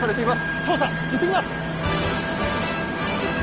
調査いってきます！